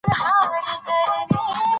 په خبرو کې له نرمۍ کار واخلئ.